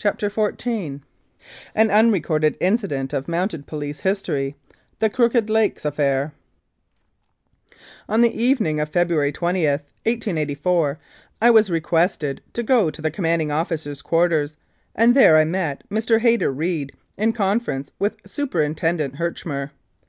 139 CHAPTER XIV AN UNRECORDED INCIDENT OF MOUNTED POLICE HISTORY : THE CROOKED LAKES AFFAIR ON the evening of February 20, 1884, I was requested to go to the Commanding Officer's quarters, and there I met Mr. Hayter Reed in conference with Superinten dent Herchmer.